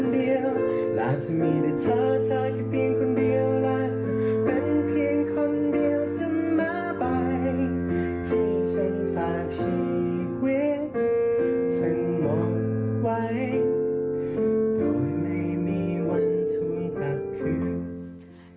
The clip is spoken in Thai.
เดี๋ยวลุกกันกันเลย